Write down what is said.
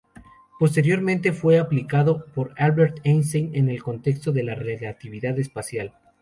Posteriormente fue aplicado por Albert Einstein en el contexto de la relatividad especial.